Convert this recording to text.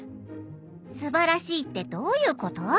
「『すばらしい』ってどういうこと？